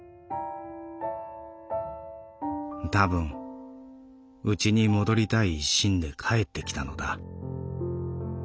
たぶんうちに戻りたい一心で帰ってきたのだ。